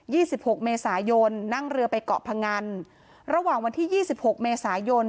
ี่สิบหกเมษายนนั่งเรือไปเกาะพงันระหว่างวันที่ยี่สิบหกเมษายน